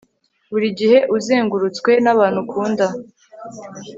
buri gihe uzengurutswe nabantu ukunda